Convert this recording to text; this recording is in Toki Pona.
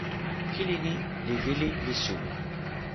kili ni li lili li suwi.